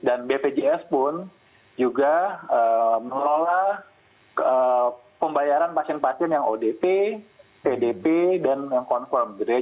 dan bpjs pun juga mengelola pembayaran pasien pasien yang odp pdp dan yang confirm